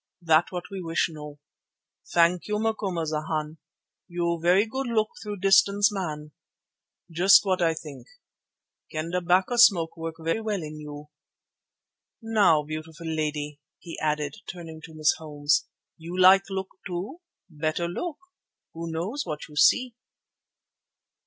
That what we wish know. Thank you much, Macumazana. You very good look through distance man. Just what I think. Kendah 'bacco smoke work very well in you. Now, beautiful lady," he added turning to Miss Holmes, "you like look too? Better look. Who knows what you see?"